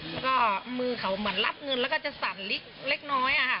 แล้วก็มือเขาเหมือนรับเงินแล้วก็จะสั่นเล็กน้อย